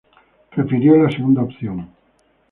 Prefirió la segunda opción.